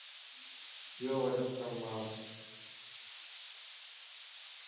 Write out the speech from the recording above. يو وڏو ڪم ا